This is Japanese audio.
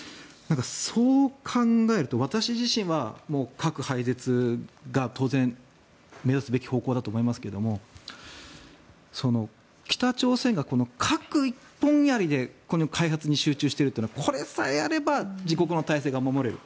そう考えると、私自身は核廃絶が当然目指すべき方向だと思いますが北朝鮮がこの核一本やりで開発に集中しているのはこれさえあれば自国の体制が守れる。